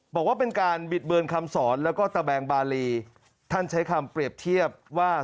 บอกว่าเป็นการบิดเบือนคำสอนแล้วก็ตะแบงบาลีท่านใช้คำเปรียบเทียบว่า